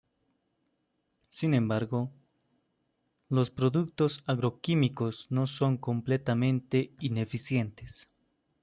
Sin embargo, los productos agroquímicos no son completamente ineficientes.